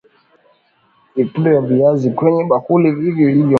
Akavipakua viazi kwenye bakuli. Vivyo hivyo, mayai. Na, kumiminia kahawa kwenye kikombe.